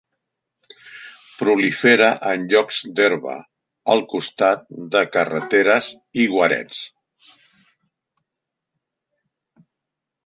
Prolifera en llocs d'herba, al costat de carreteres i guarets.